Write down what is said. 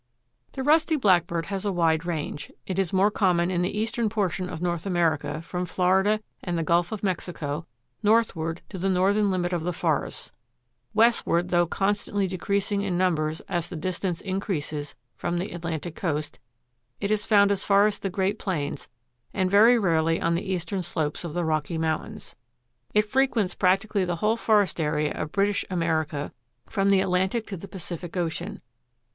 The Rusty Blackbird has a wide range. It is more common in the eastern portion of North America from Florida and the Gulf of Mexico northward to the northern limit of the forests. Westward, though constantly decreasing in numbers as the distance increases from the Atlantic coast, it is found as far as the great plains and very rarely on the eastern slopes of the Rocky Mountains. It frequents practically the whole forest area of British America from the Atlantic to the Pacific ocean.